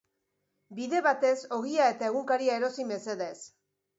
Bide batez ogia eta egunkaria erosi mesedez.